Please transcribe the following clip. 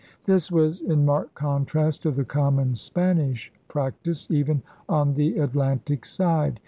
This was in marked contrast to the common Spanish practice, even on the Atlantic side.